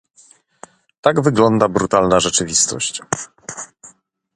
Tak wygląda brutalna rzeczywistość